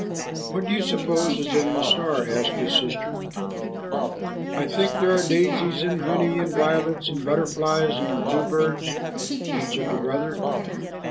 "What do you suppose is in the star?" asked the sister. "I think there are daisies and honey and violets and butterflies and bluebirds," answered the brother.